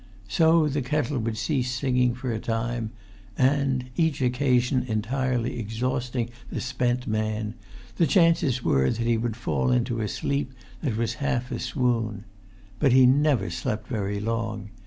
So the kettle would cease[Pg 219] singing for a time, and, each occasion entirely exhausting the spent man, the chances were that he would fall into a sleep that was half a swoon. But he never slept very long.